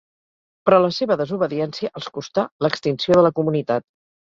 Però la seva desobediència els costà l'extinció de la comunitat.